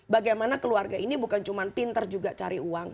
bagaimana keluarga ini bukan cuma pinter juga cari uang